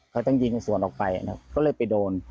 เขาต้องยิงสวนออกไปก็เลยไปโดน